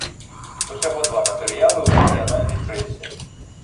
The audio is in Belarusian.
Усяго два матэрыялы ў рэгіянальнай прэсе.